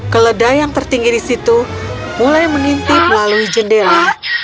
keledai yang tertinggi di situ mulai mengintip melalui jendela